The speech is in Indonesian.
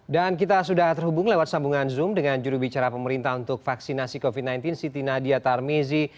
dan kita sudah terhubung lewat sambungan zoom dengan jurubicara pemerintah untuk vaksinasi covid sembilan belas siti nadia tarmizi